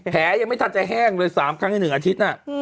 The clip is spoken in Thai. ยังไม่ทันจะแห้งเลย๓ครั้งใน๑อาทิตย์